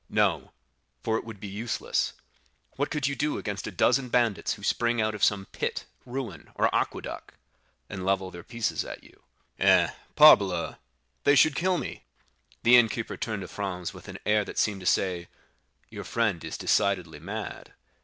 "No, for it would be useless. What could you do against a dozen bandits who spring out of some pit, ruin, or aqueduct, and level their pieces at you?" "Eh, parbleu!—they should kill me." The innkeeper turned to Franz with an air that seemed to say, "Your friend is decidedly mad."